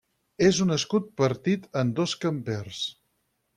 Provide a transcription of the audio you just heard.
És un escut partit en dos campers.